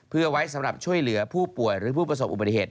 เพื่อไว้สำหรับช่วยเหลือผู้ป่วยหรือผู้ประสบอุบัติเหตุ